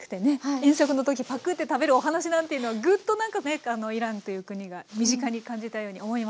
遠足の時パクッて食べるお話なんていうのはぐっとなんかねイランという国が身近に感じたように思いました。